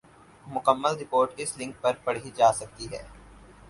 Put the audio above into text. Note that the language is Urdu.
کمل رپورٹ اس لنک پر پڑھی جا سکتی ہے ۔